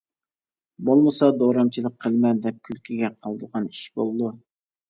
بولمىسا دورامچىلىق قىلىمەن دەپ كۈلكىگە قالىدىغان ئىش بولىدۇ.